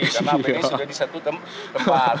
karena apd sudah disetup tempat